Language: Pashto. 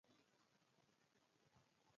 وریښم د غالیو لپاره کارول کیږي.